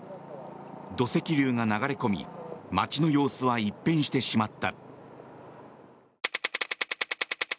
土石流が流れ込み街の様子は一変してしまった。